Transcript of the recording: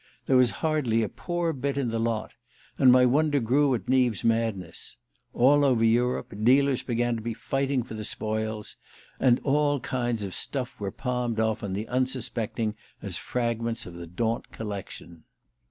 There was hardly a poor bit in the lot; and my wonder grew at Neave's madness. All over Europe, dealers began to be fighting for the spoils; and all kinds of stuff were palmed off on the unsuspecting as fragments of the Daunt collection!